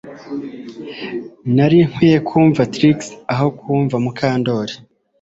Nari nkwiye kumva Trix aho kumva Mukandoli